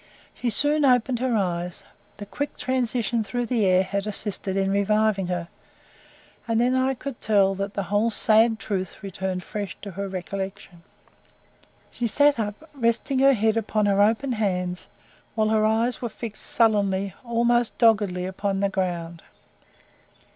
She soon opened her eyes, the quick transition through the air had assisted in reviving her, and then I could tell that the whole sad truth returned fresh to her recollection. She sat up, resting her head upon her open hands, whilst her eyes were fixed sullenly, almost doggedly, upon the ground.